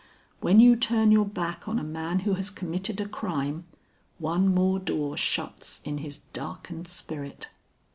When you turn your back on a man who has committed a crime, one more door shuts in his darkened spirit."